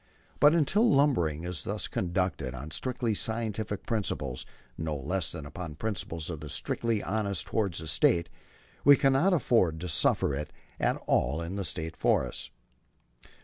But until lumbering is thus conducted, on strictly scientific principles no less than upon principles of the strictest honesty toward the State, we cannot afford to suffer it at all in the State forests.